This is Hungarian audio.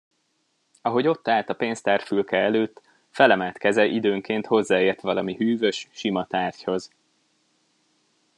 Ahogy ott állt a pénztárfülke előtt, felemelt keze időnként hozzáért valami hűvös, sima tárgyhoz.